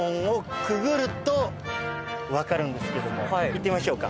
行ってみましょうか。